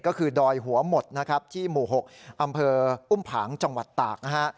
ก็คือดอยหัวหมดนะครับที่หมู่๖อำเภออุ้มผางจังหวัดตากนะฮะ